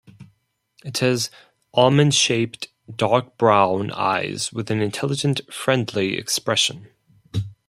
It has almond-shaped, dark brown eyes with an intelligent, friendly expression.